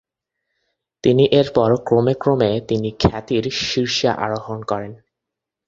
তিনি এরপর ক্রমে ক্রমে তিনি খ্যাতির শীর্ষে আরোহণ করেন।